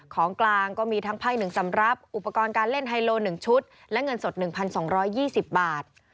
ของกลางก็มีทั้งไพ่๑สำรับอุปกรณ์การเล่นไฮโล๑ชุดและเงินสด๑๒๒๐บาท